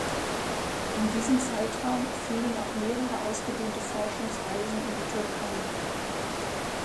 In diesen Zeitraum fielen auch mehrere ausgedehnte Forschungsreisen in die Türkei.